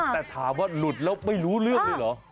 แต่ถามว่าหลุดแล้วไม่รู้เรื่องเลยเหรอ